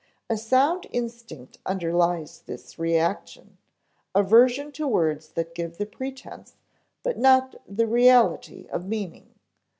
A sound instinct underlies this reaction aversion to words that give the pretense, but not the reality, of meaning.